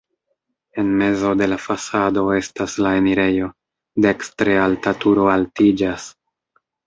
En mezo de la fasado estas la enirejo, dekstre alta turo altiĝas.